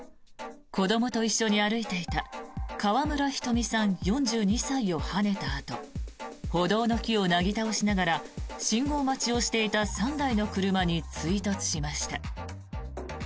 子どもと一緒に歩いていた川村ひとみさん、４２歳をはねたあと歩道の木をなぎ倒しながら信号待ちをしていた３台の車に追突しました。